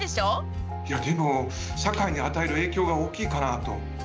いやでも社会に与える影響が大きいかなと。